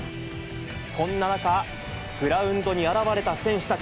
そんな中、グラウンドに現れた選手たち。